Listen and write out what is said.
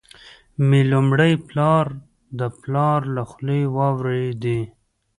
مي لومړی پلا د پلار له خولې واروېدې،